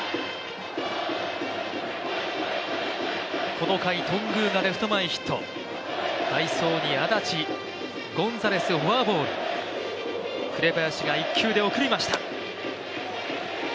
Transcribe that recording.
この回頓宮がレフト前ヒット、代走に安達ゴンザレス、フォアボール紅林が１球で送りました。